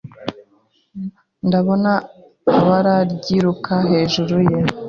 Ndabona ibara ryiruka hejuru ye